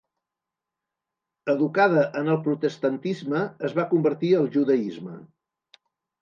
Educada en el protestantisme, es va convertir al Judaisme.